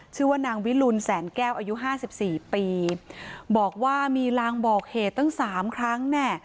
ชื่อว่านางวิลุนแสนแก้วอายุห้าสิบสี่ปีบอกว่ามีลางบอกเหตุตั้งสามครั้งเนี่ย